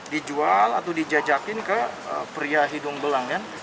dijual atau dijajakin ke pria hidung belang kan